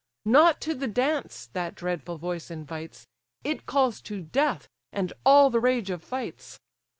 Not to the dance that dreadful voice invites, It calls to death, and all the rage of fights.